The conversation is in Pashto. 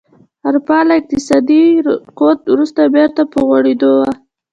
اروپا له اقتصادي رکود وروسته بېرته په غوړېدو وه